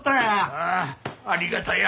ああありがたや。